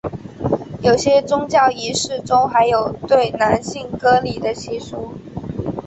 有些宗教仪式中还有对男性割礼的习俗。